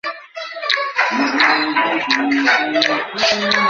Test ম্যাচে, তিনি হানিফ মোহাম্মদের সাথে সক্রিয় পার্টনারশিপ গড়ে তোলেন।